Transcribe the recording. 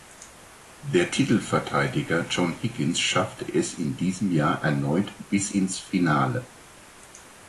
Der Titelverteidiger John Higgins schaffte es in diesem Jahr erneut bis ins Finale.